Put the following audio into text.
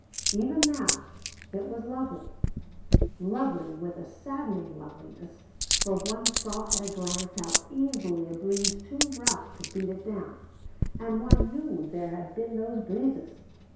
Even now, it was lovely: lovely with a saddening loveliness, for one saw at a glance how easily a breeze too rough could beat it down. And one knew there had been those breezes.